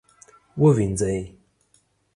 ووینځئ